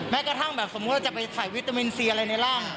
แม้กระทั่งสมมุติว่าจะไปไขวิตามินซีอะไรในร่าง